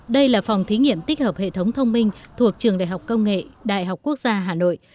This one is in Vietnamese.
đây là phòng thí nghiệm tích hợp hệ thống thông minh thuộc trường đại học công nghệ đại học quốc gia hà nội